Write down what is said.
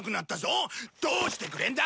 どうしてくれるんだ！